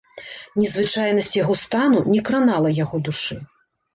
Незвычайнасць яго стану не кранала яго душы.